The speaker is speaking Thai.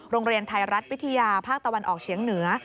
โรงเรียนไทยรัฐวิทยาภาคตะวันออกเฉียงเหนือ